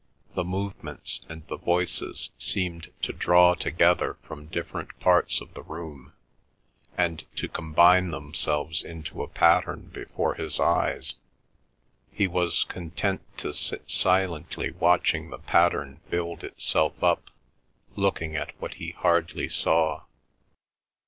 The movements and the voices seemed to draw together from different parts of the room, and to combine themselves into a pattern before his eyes; he was content to sit silently watching the pattern build itself up, looking at what he hardly saw.